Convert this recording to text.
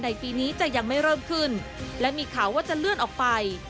ปีนี้จะยังไม่เริ่มขึ้นและมีข่าวว่าจะเลื่อนออกไป